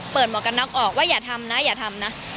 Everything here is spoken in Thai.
หมวกกันน็อกออกว่าอย่าทำนะอย่าทำนะ